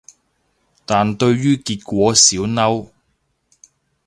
但對於結果少嬲